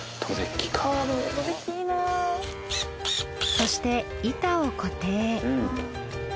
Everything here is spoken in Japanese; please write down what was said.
そして板を固定。